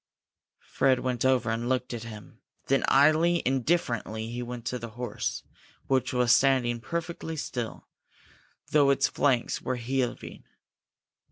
Fred went over and looked at him. Then, idly, indifferently, he went to the horse, which was standing perfectly still, though its flanks were still heaving.